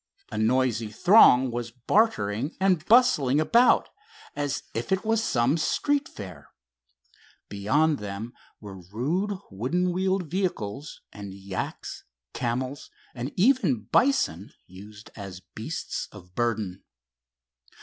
A noisy throng was bartering and bustling about, as if it was some street fair. Beyond them were rude wooden wheeled vehicles, and yaks, camels, and even bison, used as beasts of burden.